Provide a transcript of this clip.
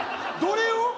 どれを？